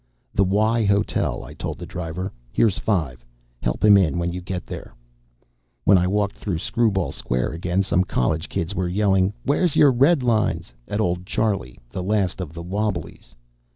"The Y Hotel," I told the driver. "Here's five. Help him in when you get there." When I walked through Screwball Square again, some college kids were yelling "wheah's your redlines" at old Charlie, the last of the Wobblies.